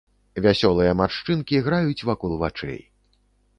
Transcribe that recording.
Вясёлыя маршчынкі граюць вакол вачэй.